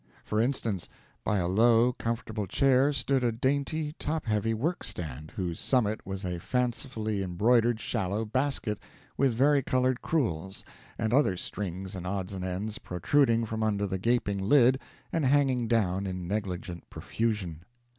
For instance, by a low, comfortable chair stood a dainty, top heavy workstand, whose summit was a fancifully embroidered shallow basket, with varicolored crewels, and other strings and odds and ends protruding from under the gaping lid and hanging down in negligent profusion.